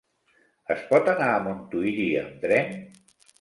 Es pot anar a Montuïri amb tren?